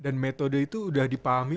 dan metode itu udah dipahami